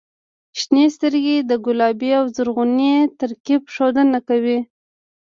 • شنې سترګې د ګلابي او زرغوني ترکیب ښودنه کوي.